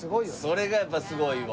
それがやっぱすごいわ。